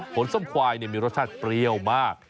ส้มควายมีรสชาติเปรี้ยวมาก